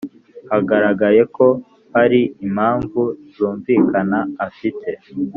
hagaragaye ko hari impamvu zumvikana afite